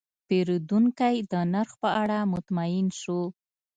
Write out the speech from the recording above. پیرودونکی د نرخ په اړه مطمین شو.